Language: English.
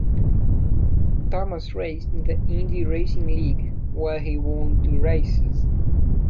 Tomas raced in the Indy Racing League where he won two races.